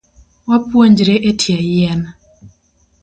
Wapuonjre etie yien